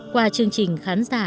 qua chương trình khán giả